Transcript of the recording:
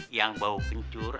yang bau kencur